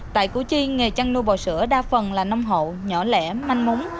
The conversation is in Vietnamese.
tại củ chi nghề chăn nuôi bò sữa đa phần là nông hộ nhỏ lẻ manh múng